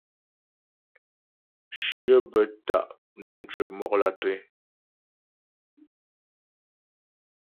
Shyə bə́ ta' nə́ mcwəp mɔk lǎtré.